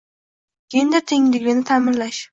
Gender tengligini ta'minlash.